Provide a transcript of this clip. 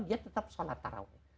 dia tetap salat taraweeh